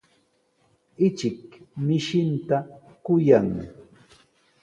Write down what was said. Ichik mishinta kuyan.